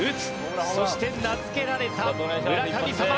そして名付けられた「村神様」。